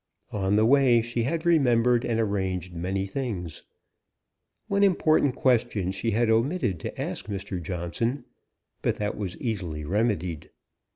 On the way she had remembered and arranged many things: one important question she had omitted to ask Mr. Johnson; but that was easily remedied.